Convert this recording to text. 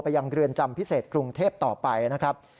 ยังเรือนจำพิเศษกรุงเทพต่อไปนะครับ